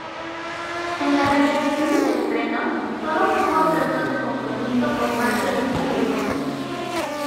En la recepción del estreno, solo obtuvo aplausos de compromiso por parte del público.